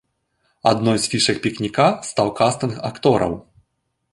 Адной з фішак пікніка стаў кастынг актораў.